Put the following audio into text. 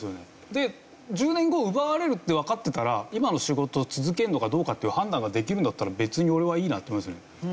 で１０年後奪われるってわかってたら今の仕事を続けるのかどうかという判断ができるんだったら別に俺はいいなって思いますよね。